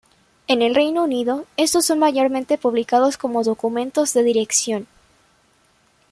En el Reino Unido, estos son mayormente publicados como "documentos de dirección".